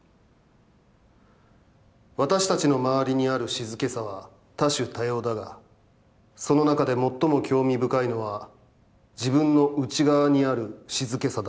わたしたちのまわりにある静けさは多種多様だが、その中で最も興味深いのは自分の内側にある静けさだろう」。